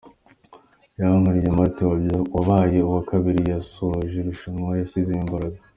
Yankurije Marthe wabaye uwa kabiri yasoje irushanwa yashizemo imbaraga .